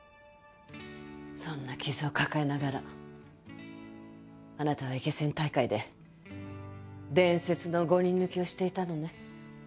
そんな傷を抱えながらあなたはイケセン大会で伝説の５人抜きをしていたのね。